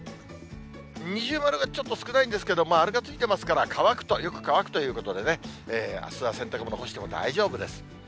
二重丸がちょっと少ないんですけど、丸がついてますから、乾くと、よく乾くということでね、あすは洗濯物干しても大丈夫です。